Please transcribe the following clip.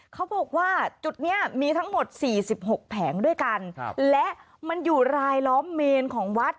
เขาบอกว่าจุดนี้มีทั้งหมด๔๖แผงด้วยกันและมันอยู่รายล้อมเมนของวัด